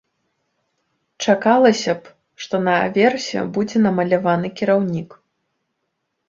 Чакалася б, што на аверсе будзе намаляваны кіраўнік.